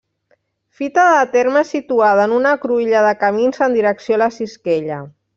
Fita de terme situada en una cruïlla de camins en direcció a la Sisquella.